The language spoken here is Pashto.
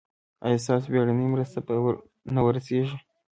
ایا ستاسو بیړنۍ مرسته به ور نه رسیږي؟